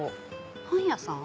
パン屋さん？